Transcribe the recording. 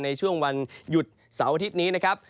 ในช่วงวันหยุดเสาร์อาทิตย์นี้นะครับ